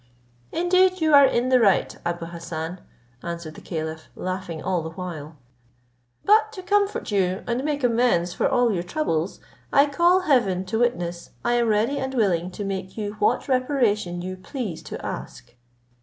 "Indeed, you are in the right, Abou Hassan," answered the caliph, laughing all the while; "but to comfort you, and make you amends for all your troubles, I call Heaven to witness, I am ready and willing to make you what reparation you please to ask."